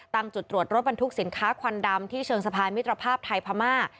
จุดตรวจรถบรรทุกสินค้าควันดำที่เชิงสะพานมิตรภาพไทยพม่า